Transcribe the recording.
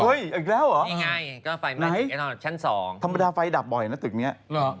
เฮ้ยอีกแล้วเหรอไหนธรรมดาไฟดับบ่อยนะตึกนี้